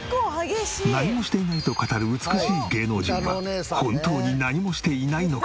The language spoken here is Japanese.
何もしていないと語る美しい芸能人は本当に何もしていないのか？